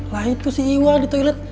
lah itu si iwa di toilet